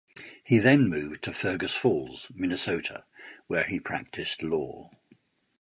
He then moved to Fergus Falls, Minnesota where he practiced law.